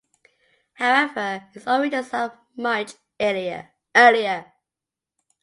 However, its origins are much earlier.